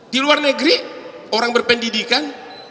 di luar negeri orang berpendidikan